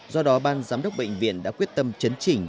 do đó ban giám đốc bệnh viện đã quyết tâm chấn chỉnh